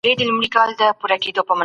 خپل غړي به په ګټورو کارونو کي کاروئ.